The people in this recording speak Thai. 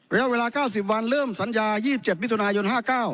เวลา๙๐วันเริ่มสัญญา๒๗มิถุนายน๕๙